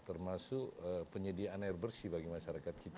termasuk penyediaan air bersih bagi masyarakat kita